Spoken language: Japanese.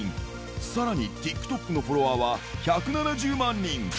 さらにＴｉｋＴｏｋのフォロワーは１７０万人。